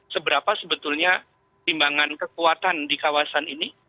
seberapa sebetulnya timbangan kekuatan di kawasan ini